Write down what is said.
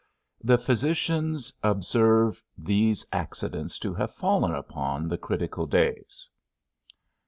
_The physicians observe these accidents to have fallen upon the critical days.